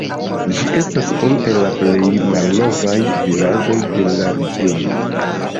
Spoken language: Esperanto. Ĝi estas unu el la plej malnovaj vilaĝoj de la regiono.